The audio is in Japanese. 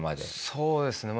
そうですね。